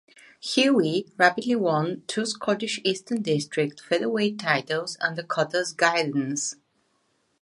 Hughie rapidly won two Scottish Eastern District Featherweight Titles under Cotter's guidance.